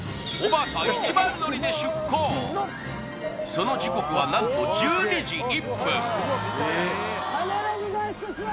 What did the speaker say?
その時刻はなんと１２時１分！